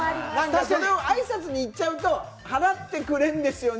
それは挨拶に行っちゃうと払ってくれるんですよね？